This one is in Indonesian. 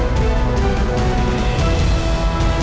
gede orangnya sih